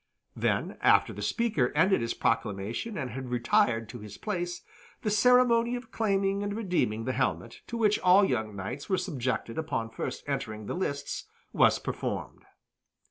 Then, after the speaker ended his proclamation and had retired to his place, the ceremony of claiming and redeeming the helmet, to which all young knights were subjected upon first entering the lists, was performed.